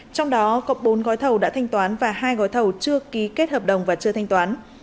trong đó cộng bốn gói thầu đã thanh toán và hai gói thầu chưa ký kết hợp đồng và chưa thanh toán